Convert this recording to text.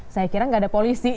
saya kira nggak ada polisi